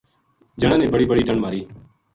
جنا نے بڑی بڑی ڈنڈ ماری